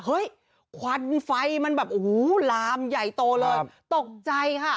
ควันไฟมันแบบโอ้โหลามใหญ่โตเลยตกใจค่ะ